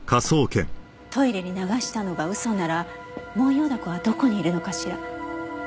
トイレに流したのが嘘ならモンヨウダコはどこにいるのかしら？